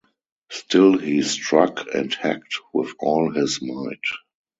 Still he struck and hacked with all his might.